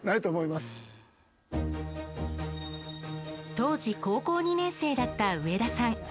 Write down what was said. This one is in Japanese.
当時高校２年生だった上田さん。